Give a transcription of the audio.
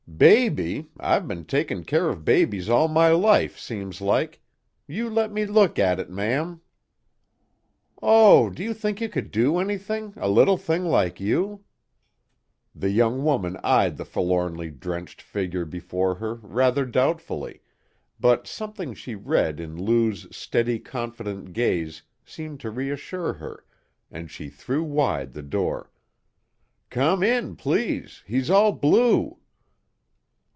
"Baby! I've been takin' care of babies all my life, seems like. You let me look at it, ma'am." "Oh, do you think you could do anything, a little thing like you?" The young woman eyed the forlornly drenched figure before her rather doubtfully, but something she read in Lou's steady, confident gaze seemed to reassure her, and she threw wide the door. "Come in, please! He's all blue."